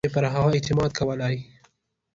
څنګه به یې پر هغه اعتماد کولای.